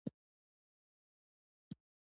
د باد انرژي په هرات کې تولیدیږي